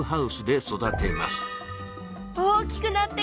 大きくなってきた！